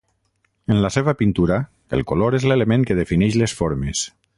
En la seva pintura, el color és l'element que defineix les formes.